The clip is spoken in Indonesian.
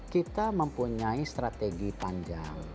kita mempunyai strategi panjang